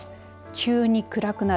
急に暗くなる。